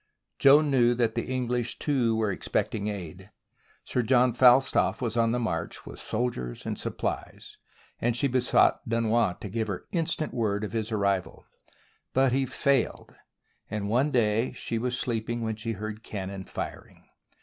Joan knew that the English, too, were expecting aid. Sir John Fastolfe was on the march with sol diers and supplies, and she besought Dunois to give her instant word of his arrival. But he failed, and one day she was sleeping when she heard cannon firing.